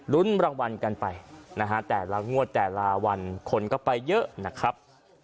รุ้นรางวัลกันไปนะฮะแต่ละงวดแต่ละวันคนก็ไปเยอะนะครับ